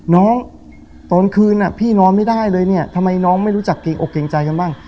น้องตอนคืนพี่นอนไม่ได้เลยเนี่ยทำไมน้องไม่รู้จักเกรงอกเกรงใจกันบ้าง